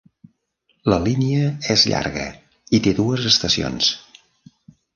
La línia és llarga i té dues estacions.